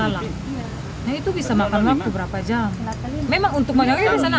lebih baik untuk kesehatan